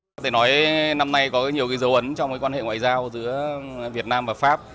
có thể nói năm nay có nhiều dấu ấn trong quan hệ ngoại giao giữa việt nam và pháp